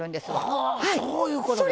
はぁそういうことですか。